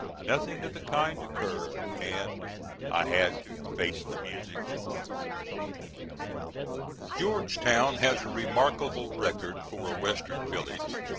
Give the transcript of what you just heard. Nothing of the kind occurred, and I had to face the music. Georgetown has a remarkable record for a western village.